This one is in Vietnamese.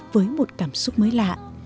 với một cảm xúc mới lạ